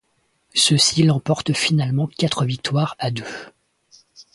Ceux-ci l'emportent finalement quatre victoires à deux.